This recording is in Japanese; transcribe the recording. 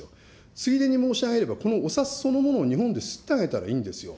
ついでに申し上げれば、このお札そのものを日本で刷ってあげたらいいんですよ。